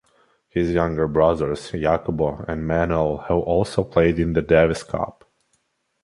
His younger brothers Jacobo and Manuel have also played in the Davis Cup.